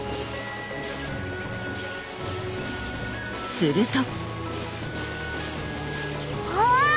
すると。